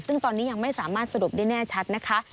ซึ่งตอนนี้ยังไม่สามารถสรุปได้แน่ชัดนะคะ